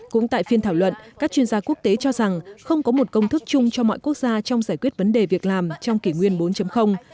cũng tại phiên thảo luận các chuyên gia quốc tế cho rằng không có một công thức chung cho mọi quốc gia trong giải quyết vấn đề việc làm trong kỷ nguyên bốn